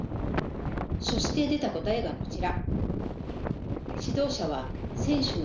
そして出た答えがこちら。